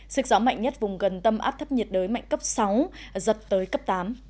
sức gió mạnh nhất vùng gần tâm áp thấp nhiệt đới mạnh cấp sáu giật tới cấp tám